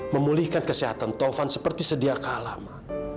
memulihkan kesehatan tovan seperti sediakala ma